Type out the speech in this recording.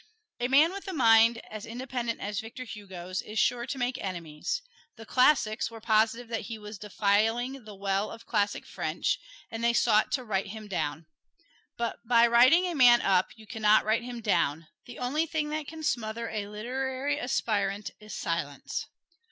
A man with a mind as independent as Victor Hugo's is sure to make enemies. The "Classics" were positive that he was defiling the well of Classic French, and they sought to write him down. But by writing a man up you can not write him down; the only thing that can smother a literary aspirant is silence.